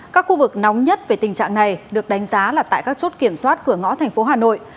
các khu vực nóng nhất về tình trạng này được đánh giá là tại các chốt kiểm soát cửa ngõ thành phố hà nội